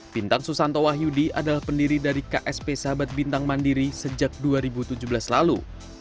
bintang susanto wahyudi adalah pendiri dari ksp sahabat bintang mandiri sejak dua ribu tujuh belas lalu